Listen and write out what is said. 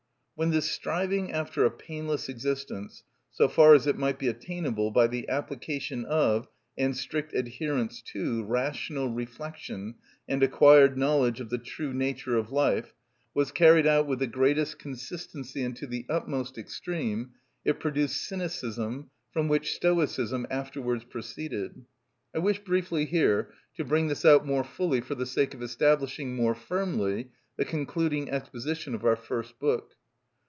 When this striving after a painless existence, so far as it might be attainable by the application of and strict adherence to rational reflection and acquired knowledge of the true nature of life, was carried out with the greatest consistency and to the utmost extreme, it produced cynicism, from which stoicism afterwards proceeded. I wish briefly here to bring this out more fully for the sake of establishing more firmly the concluding exposition of our first book.